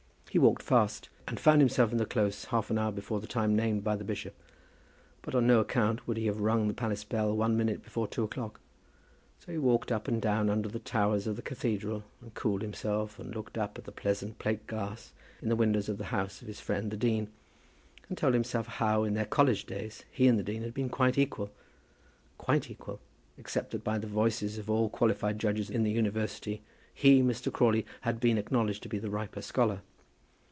He walked fast, and he found himself in the close half an hour before the time named by the bishop. But on no account would he have rung the palace bell one minute before two o'clock. So he walked up and down under the towers of the cathedral, and cooled himself, and looked up at the pleasant plate glass in the windows of the house of his friend the dean, and told himself how, in their college days, he and the dean had been quite equal, quite equal, except that by the voices of all qualified judges in the university, he, Mr. Crawley, had been acknowledged to be the riper scholar.